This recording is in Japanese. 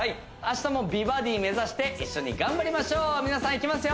明日も美バディ目指して一緒に頑張りましょう皆さんいきます